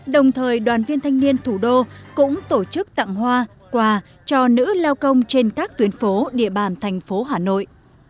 đồng thời đoàn viên thanh niên thủ đô cũng tổ chức tặng hoa quà cho nữ lao công trên các tuyến phố địa bàn thành phố hà nội